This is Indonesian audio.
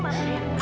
apa sih ma